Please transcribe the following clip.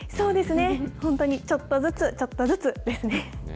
本当に、ちょっとずつ、ちょっとずつですね。